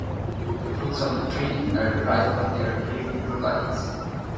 The fruits of the tree are prized for their healing properties.